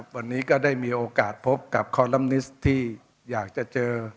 วันนี้ก็ได้มีโอกาสพบกับคอลัมนิสที่อยากจะเจอ